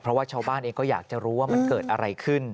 เพราะว่าชาวบ้านเองก็อยากจะรู้ว่ามันเกิดอะไรขึ้น